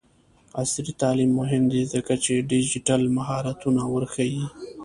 عصري تعلیم مهم دی ځکه چې ډیجیټل مهارتونه ورښيي.